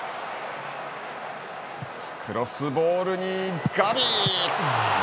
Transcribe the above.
クロスボールに、ガビ！